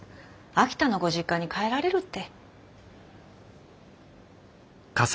秋田のご実家に帰られるって。